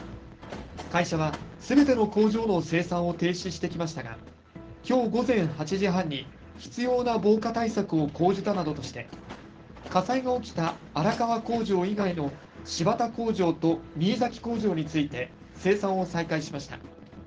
会社はすべての工場の生産を停止してきましたがきょう午前８時半に必要な防火対策を講じたなどとして火災が起きた荒川工場以外の新発田工場と新崎工場について生産を再開しました。